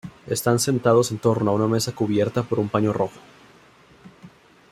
Están sentados en torno a una mesa cubierta por un paño rojo.